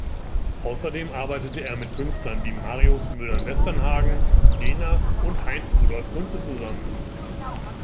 Außerdem arbeitete er mit Künstlern wie Marius Müller-Westernhagen, Nena und Heinz Rudolf Kunze zusammen.